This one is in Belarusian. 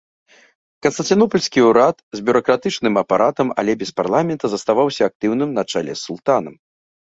Канстанцінопальскі ўрад, з бюракратычным апаратам, але без парламента, заставаўся актыўным на чале з султанам.